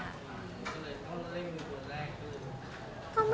แฟนคลับของคุณไม่ควรเราอะไรไง